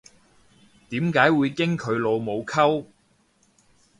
點解會經佢老母溝